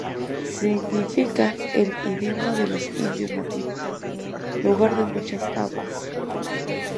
Significa, en el idioma de los indios nativos, "lugar de muchas aguas".